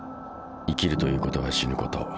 生きるということは死ぬこと。